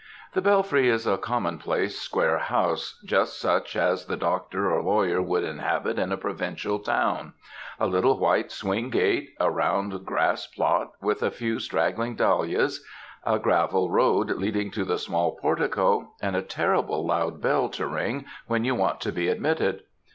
"The Bellfry is a common place square house, just such as the doctor or lawyer would inhabit in a provincial town; a little white swing gate, a round grass plot, with a few straggling dahlias, a gravel road leading to the small portico, and a terrible loud bell to ring, when you want to be admitted.